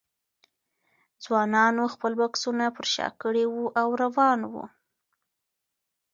ځوانانو خپل بکسونه پر شا کړي وو او روان وو.